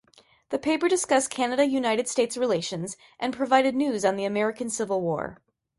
The paper discussed Canada–United States relations and provided news on the American Civil War.